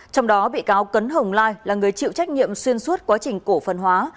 trong đó bị cáo cấn hồng lai là người chịu trách nhiệm xuyên suốt quá trình cổ phần hóa